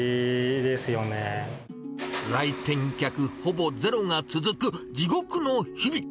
来店客ほぼゼロが続く地獄の日々。